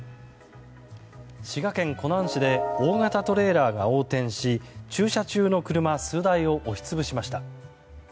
滋賀県湖南市で大型トレーラーが横転し駐車中の車数台を押し潰しました。